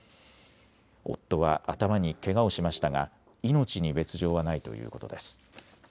夫は頭にけがをしましたが命に別状はないということです。